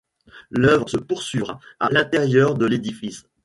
L'œuvre se poursuivra à l'intérieur de l'édifice.